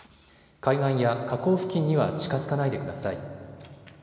海岸や河口付近には近づかないでください。